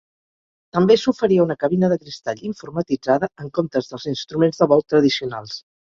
També s'oferia una cabina de cristall informatitzada en comptes dels instruments de vol tradicionals.